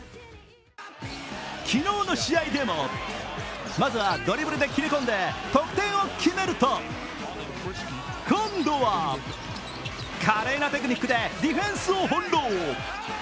昨日の試合でも、まずはドリブルでり切り込んで得点を決めると今度は華麗なテクニックでディフェンスをほんろう。